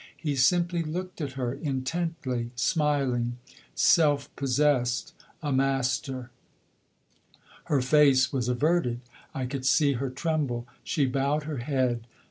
He simply looked at her intently, smiling, self possessed, a master. Her face was averted; I could see her tremble; she bowed her head.